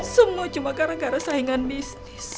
semua cuma gara gara saingan bisnis